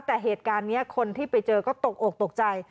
แต่เหตุการณ์นี้คนที่ไปเจอก็ตกอกตกใจ